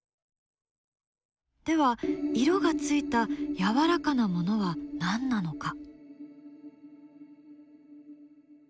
では色がついたやわらかなものは何なのか？